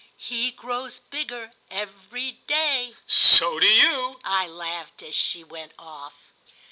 "He grows bigger every day." "So do you!" I laughed as she went off.